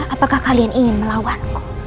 apakah kalian ingin melawanku